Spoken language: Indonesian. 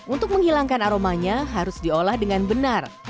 untuk menghilangkan aromanya harus diolah dengan benar